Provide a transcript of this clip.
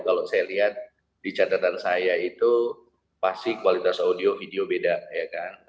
kalau saya lihat di catatan saya itu pasti kualitas audio video beda ya kan